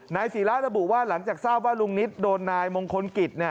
ศีระระบุว่าหลังจากทราบว่าลุงนิตโดนนายมงคลกิจ